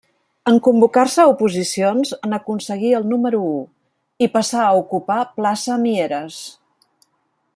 En convocar-se oposicions, n'aconseguí el número u, i passà a ocupar plaça a Mieres.